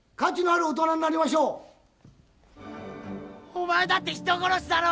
お前だって人殺しだろ！